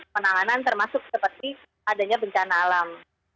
penanganan termasuk seperti adanya bencana alam